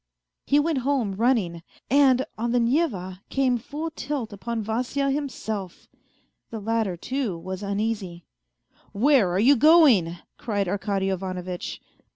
He went home running, and on the Neva came full tilt upon Vasya himself. The latter, too, was uneasy. " Where are you going 1 " cried Arkady Ivanovitch.